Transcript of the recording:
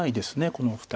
このお二人。